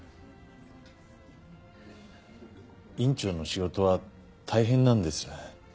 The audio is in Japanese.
院長の仕事は大変なんです。